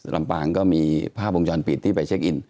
ลำปางก็มีภาพวงจรปิดที่ไปเช็คอิน